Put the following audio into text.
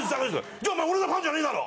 じゃあお前俺のファンじゃねぇだろ！